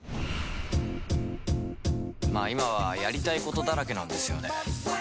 まあ今はやりたい事だらけなんですよね。